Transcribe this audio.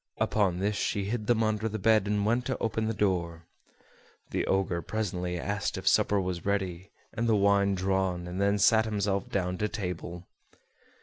Upon this she hid them under the bed and went to open the door. The Ogre presently asked if supper was ready and the wine drawn, and then sat himself down to table.